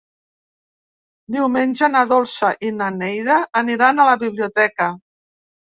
Diumenge na Dolça i na Neida aniran a la biblioteca.